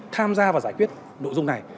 tham gia và giải quyết nội dung này